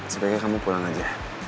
sebaiknya kamu pulang aja